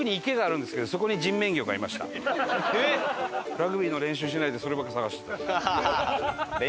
ラグビーの練習しないでそればっかり探してた。